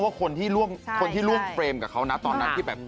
แม้กระทั่งว่าคนที่ร่วมเฟรมกับเขานะตอนนั้นที่แบบ